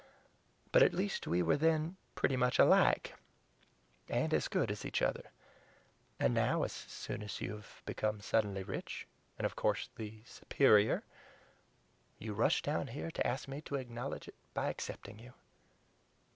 But at least we were then pretty much alike, and as good as each other. And now, as soon as you have become suddenly rich, and, of course, the SUPERIOR, you rush down here to ask me to acknowledge it by accepting you!"